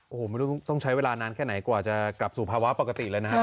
โอ้โหไม่รู้ต้องใช้เวลานานแค่ไหนกว่าจะกลับสู่ภาวะปกติเลยนะครับ